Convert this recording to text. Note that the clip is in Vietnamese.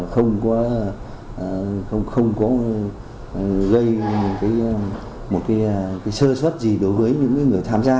không có gây một cái sơ suất gì đối với những người tham gia